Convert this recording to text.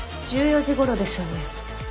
１４時頃ですよね。